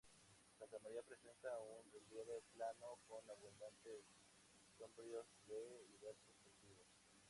Santa María presenta un relieve plano, con abundantes sombríos de diversos cultivos.